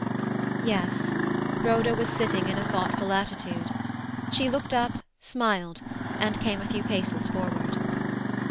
Yes; Rhoda was sitting in a thoughtful attitude. She looked up, smiled, and came a few paces forward.